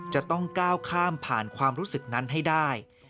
จะต้องก้าวข้ามผ่านความรู้สึกนั้นให้ได้